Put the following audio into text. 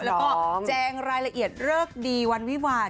แล้วก็แจงรายละเอียดเลิกดีวันวิวาล